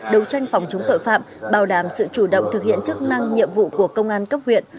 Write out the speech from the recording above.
đấu tranh phòng chống tội phạm bảo đảm sự chủ động thực hiện chức năng nhiệm vụ của công an cấp huyện